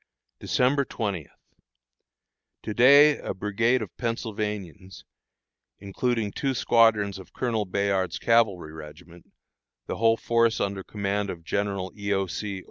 December 20. To day a brigade of Pennsylvanians, including two squadrons of Colonel Bayard's cavalry regiment, the whole force under command of General E. O. C.